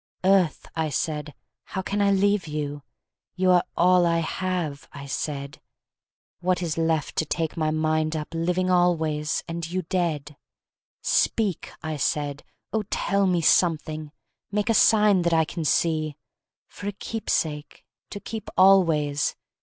"Earth," I said, "how can I leave you?" "You are all I have," I said; "What is left to take my mind up, Living always, and you dead?" "Speak!" I said, "Oh, tell me something! Make a sign that I can see! For a keepsake! To keep always!